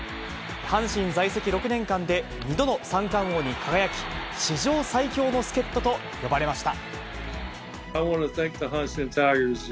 阪神在籍６年間で２度の三冠王に輝き、史上最強の助っ人と呼ばれました。